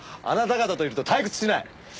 あなた方といると退屈しない。